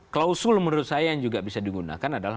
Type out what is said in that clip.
klausul menurut saya yang juga bisa digunakan adalah